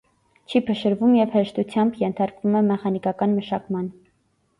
Չի փշրվում և հեշտությամբ ենթարկվում է մեխանիկական մշակման։